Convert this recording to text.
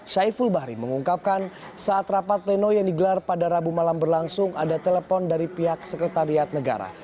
syaiful bahri mengungkapkan saat rapat pleno yang digelar pada rabu malam berlangsung ada telepon dari pihak sekretariat negara